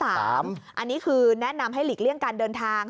อันนี้คือแนะนำให้หลีกเลี่ยงการเดินทาง